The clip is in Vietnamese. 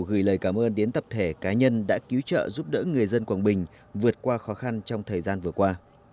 gửi lời cảm ơn đến tập thể cá nhân đã cứu trợ giúp đỡ người dân quảng bình vượt qua khó khăn trong thời gian vừa qua